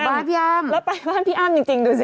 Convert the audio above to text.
โผ่บ้านพี่อ้ำแล้วไปบ้านพี่อ้ำจริงจริงดูสิ